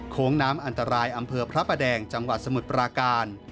โค้งน้ำอันตรายอำเภอพระประแดงจังหวัดสมุทรปราการ